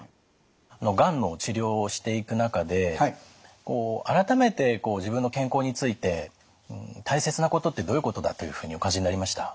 がんの治療をしていく中で改めて自分の健康について大切なことってどういうことだというふうにお感じになりました？